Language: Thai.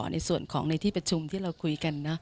ในส่วนของในที่ประชุมที่เราคุยกันนะ